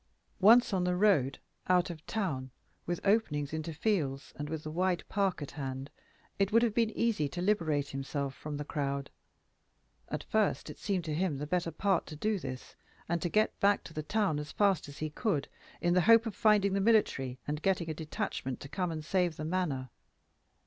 Once on the road, out of town, with openings into fields and with the wide park at hand, it would have been easy to liberate himself from the crowd. At first it seemed to him the better part to do this, and to get back to the town as fast as he could, in the hope of finding the military and getting a detachment to come and save the Manor.